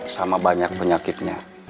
sama banyak penyakitnya